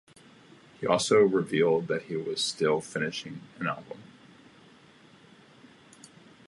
He also revealed that he was still "finishing" the album.